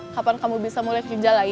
kapan kamu bisa mulai kerja lagi